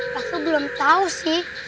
kakak belum tahu sih